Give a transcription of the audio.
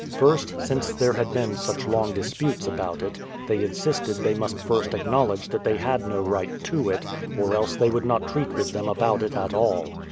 First, since there had been such long disputes about it, they insisted they must first ac knowledge that they had no right to it, or else they would not treat with them about it at all.